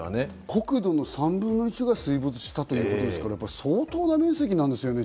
国土の３分の１が水没したということですから相当な面積ですね。